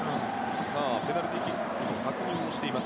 ペナルティーキックの確認をしています。